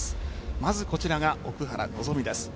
まずこちらが奥原希望です。